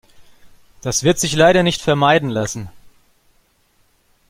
Das wird sich leider nicht vermeiden lassen.